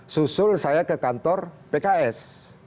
susul saya ke kantor pks